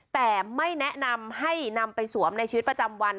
แต่ไม่แนะนำให้นำไปสวมในชีวิตประจำวัน